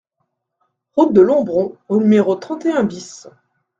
Route de Lombron au numéro trente et un BIS